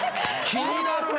気になるね！